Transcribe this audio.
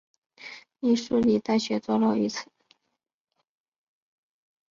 密苏里大学坐落于此。